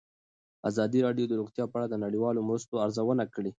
ازادي راډیو د روغتیا په اړه د نړیوالو مرستو ارزونه کړې.